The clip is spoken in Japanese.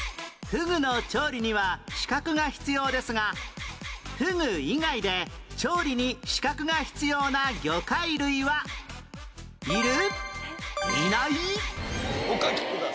ふぐの調理には資格が必要ですがふぐ以外で調理に資格が必要な魚介類はいる？